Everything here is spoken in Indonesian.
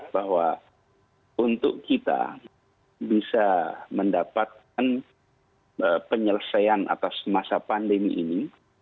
bahwa untuk kita bisa mendapatkan penyelesaian atas masa pandemi ini